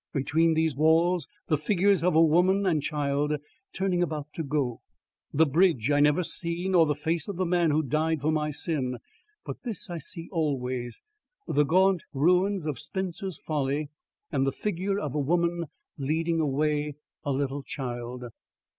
Between these walls the figures of a woman and child, turning about to go. The bridge I never see, nor the face of the man who died for my sin; but this I see always: the gaunt ruins of Spencer's Folly and the figure of a woman leading away a little child.